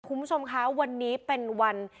คุณผู้ชมคะวันนี้เป็นวัน